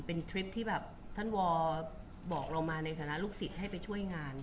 เป็นทริปที่แบบท่านวอบอกเรามาในฐานะลูกศิษย์ให้ไปช่วยงาน